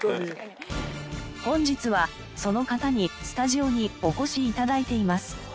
本日はその方にスタジオにお越し頂いています。